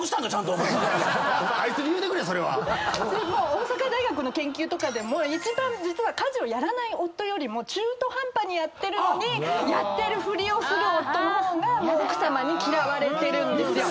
大阪大学の研究とかでも実は家事をやらない夫よりも中途半端にやってるのにやってるふりをする夫の方が奥さまに嫌われてるんですよ。